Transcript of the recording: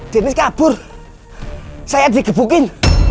jenis kabur saya digebukin